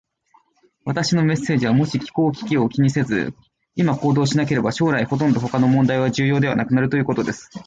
私のメッセージは、もし気候危機を気にせず、今行動しなければ、将来ほとんど他の問題は重要ではなくなるということです。